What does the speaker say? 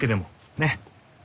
ねっ！